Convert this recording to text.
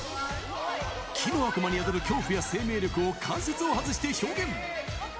木の悪魔に宿る恐怖や生命力を、関節を外して表現。